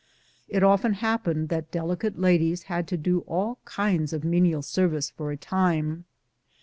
It often happened that delicate ladies had to do all kinds of menial service for a time.